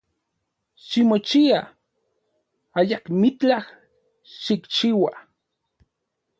Ximochia, ayakmitlaj xikchiua.